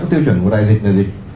tiêu chuẩn của đại dịch là gì